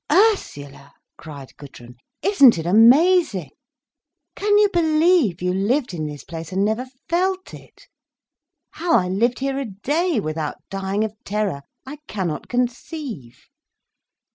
"Ursula!" cried Gudrun. "Isn't it amazing! Can you believe you lived in this place and never felt it? How I lived here a day without dying of terror, I cannot conceive!"